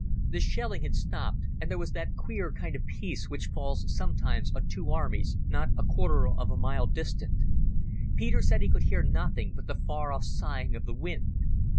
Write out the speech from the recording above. The shelling had stopped, and there was that queer kind of peace which falls sometimes on two armies not a quarter of a mile distant. Peter said he could hear nothing but the far off sighing of the wind.